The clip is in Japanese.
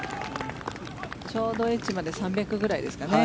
ちょうどエッジまで３００ヤードぐらいですかね。